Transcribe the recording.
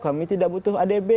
kami tidak butuh adb